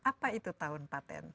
apa itu tahun patent